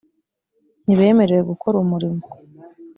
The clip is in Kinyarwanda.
ntibemerewe gukora umurimo